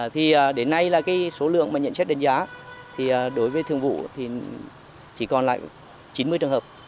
thì đến nay là cái số lượng mà nhận xét đánh giá thì đối với thương vụ thì chỉ còn lại chín mươi trường hợp